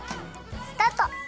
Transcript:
スタート！